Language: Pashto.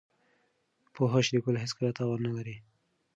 پوهه شریکول هېڅکله تاوان نه لري.